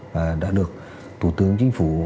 và đã được tổ tướng chính phủ